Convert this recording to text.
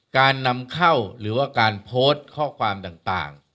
การนำเข้าหรือว่าการโพสต์ข้อความต่าง